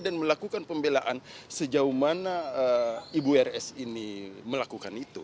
dan melakukan pembelaan sejauh mana ibu r s ini melakukan itu